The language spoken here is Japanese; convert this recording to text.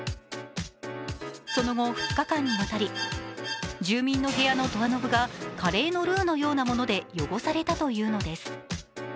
その後、２日間にわたり住民の部屋のドアノブがカレーのルーのようなもので汚されたというのです。